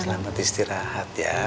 selamat istirahat ya